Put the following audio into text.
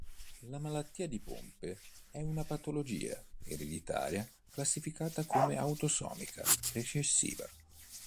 La malattia di Pompe è una patologia ereditaria classificata come autosomica recessiva.